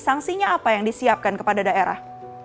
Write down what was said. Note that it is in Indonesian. sanksinya apa yang disiapkan kepada daerah